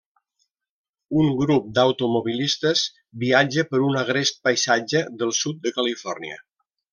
Un grup d'automobilistes viatja per un agrest paisatge del sud de Califòrnia.